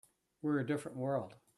We're a different world.